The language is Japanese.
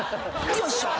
よいしょっ！